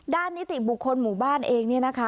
ด้านนิติบุคคลหมู่บ้านเอง